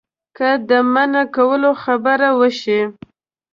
که د منع کولو خبره وشي.